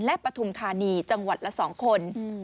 และปฐุมธานีจังหวัดละ๒คน